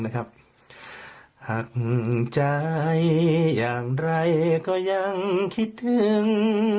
หักใจอย่างไรก็ยังคิดถึง